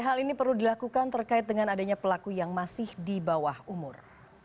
hal ini perlu dilakukan terkait dengan adanya pelaku yang masih di bawah umur